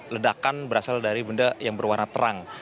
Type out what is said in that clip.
ledakan berasal dari benda yang berwarna terang